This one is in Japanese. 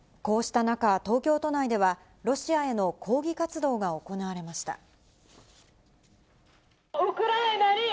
こうした中、東京都内ではロシアへの抗議活動が行われました。